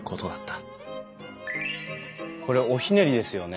これおひねりですよね。